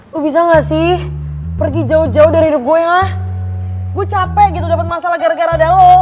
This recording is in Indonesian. lo bisa gak sih pergi jauh jauh dari hidup gue mah gue capek gitu dapet masalah gara gara lo